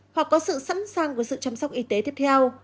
hoặc có sự sẵn sàng của sự chăm sóc y tế tiếp theo